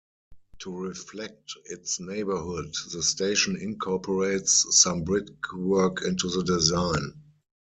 To reflect its neighborhood, the station incorporates some brickwork into the design.